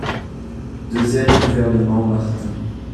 Deuxième gouvernement Martin.